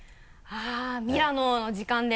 あぁミラノの時間で。